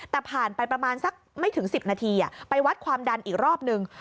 แต่ผ่านไปประมาณสักไม่ถึง๑๐นาทีไปวัดความดันอีกรอบนึง